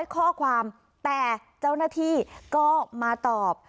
ข้อความแต่เจ้าหน้าที่ก็มาตอบ